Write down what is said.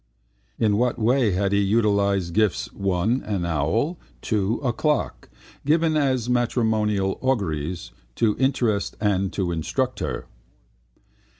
In what way had he utilised gifts (1) an owl, 2) a clock, given as matrimonial auguries, to interest and to instruct her?